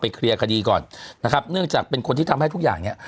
เคลียร์คดีก่อนนะครับเนื่องจากเป็นคนที่ทำให้ทุกอย่างเนี้ย